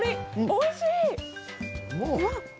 おいしい！